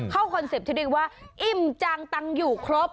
เข้าคอนเซปที่เรียกว่าอิ่มจางตังอยู่ครบ